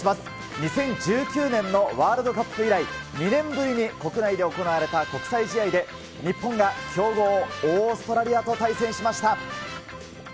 ２０１９年のワールドカップ以来、２年ぶりに国内で行われた国際試合で、日本が強豪、オーストラリアと対戦しました。